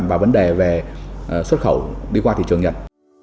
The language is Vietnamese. và vấn đề về xuất khẩu đi qua thị trường nhật